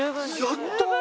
やったー！